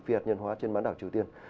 phiệt nhân hóa trên bãn đảo triều tiên